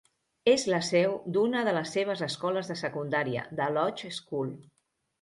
És la seu d'una de les seves escoles de secundària, The Lodge School.